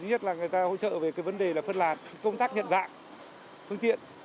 nhất là người ta hỗ trợ về cái vấn đề là phân lạt công tác nhận dạng phương tiện